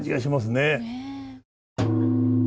ねえ。